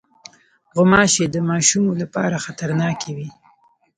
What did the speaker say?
غوماشې د ماشومو لپاره خطرناکې وي.